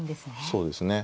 そうですね。